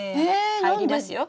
入りますよ。